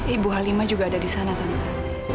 ibu halima juga ada di sana tante